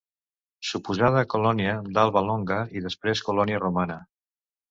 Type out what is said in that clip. Suposada colònia d'Alba Longa i després colònia romana.